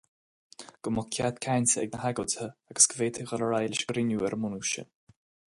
Go mbeadh cead cainte ag na hagóidithe agus go bhféadfaí dul ar aghaidh leis an gcruinniú ar an mbunús sin.